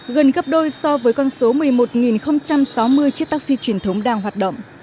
gần gấp đôi so với con số một mươi một sáu mươi chiếc taxi truyền thống đang hoạt động